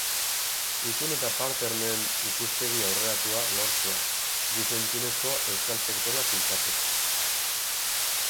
Itun eta partern-en ikuspegi aurreratua lortzea, ikus-entzunezko euskal sektorea finkatzeko.